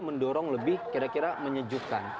mendorong lebih kira kira menyejukkan